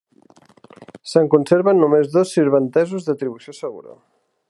Se'n conserven només dos sirventesos d'atribució segura.